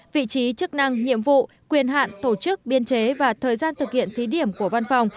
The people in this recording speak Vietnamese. vị trí chức năng nhiệm vụ quyền hạn tổ chức biên chế và thời gian thực hiện thí điểm của văn phòng